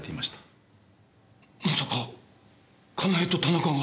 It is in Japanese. まさか家内と田中が！